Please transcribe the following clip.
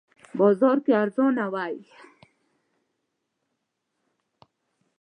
بازار کې ارزانه وی